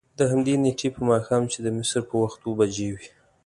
دهمدې نېټې په ماښام چې د مصر په وخت اوه بجې وې.